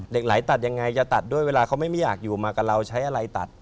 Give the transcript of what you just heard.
เหล็กไหลตัดยังไงจะตัดด้วยเวลาเขาไม่มีอยากอยู่มากับเราใช้อะไรตัด